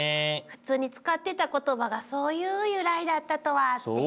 普通に使ってた言葉がそういう由来だったとはって。